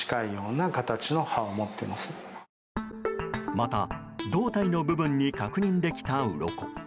また、胴体の部分に確認できたうろこ。